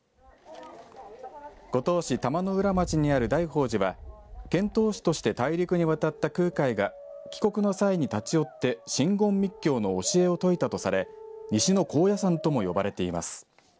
五島市玉之浦町にある大宝寺は遣唐使として大陸に渡った空海が帰国の際に立ち寄って真言密教の教えを説いたとされ西の高野山とも呼ばれています。